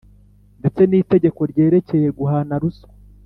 ndetse n’itegeko ryerekeye guhana ruswa ;